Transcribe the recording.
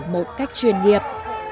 một cách chuyên nghiệp